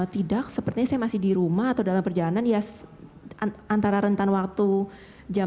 tidak sepertinya saya masih di rumah atau dalam perjalanan ya antara rentan waktu jam